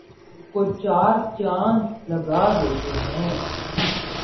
کو چار چاند لگا دیتے ہیں